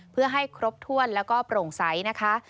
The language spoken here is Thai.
เพื่อให้ครบถ้วนแล้วก็โปร่งใสนะคะ